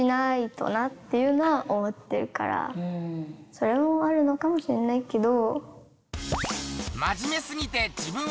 それもあるのかもしれないけど。